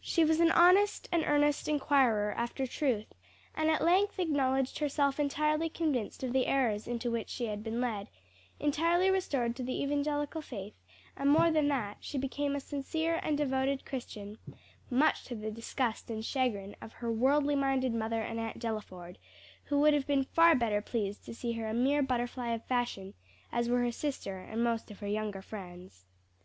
She was an honest and earnest inquirer after truth, and at length acknowledged herself entirely convinced of the errors into which she had been led, entirely restored to the evangelical faith; and more than that, she became a sincere and devoted Christian; much to the disgust and chagrin of her worldly minded mother and Aunt Delaford, who would have been far better pleased to see her a mere butterfly of fashion, as were her sister and most of her younger friends.